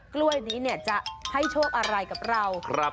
กล้วยนี้เนี่ยจะให้โชคอะไรกับเรา